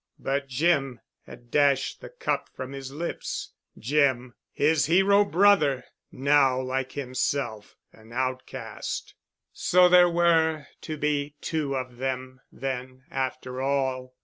But Jim had dashed the cup from his lips, Jim—his hero brother—now like himself an outcast! So there were to be two of them then after all.